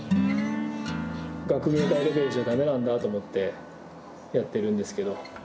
学芸会レベルじゃだめなんだと思って、やってるんですけど。